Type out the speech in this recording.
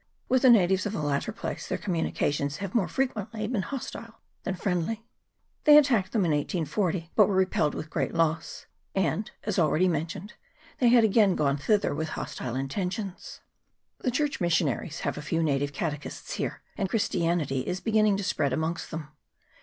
With the natives of the latter place their communications have more frequently been hostile than friendly. They attacked them in 1840, but were repelled with great loss; and, as already mentioned, they had again gone thither with hostile intentions. The Church mis sionaries have a few native catechists here, and Christianity is beginning to spread amongst them.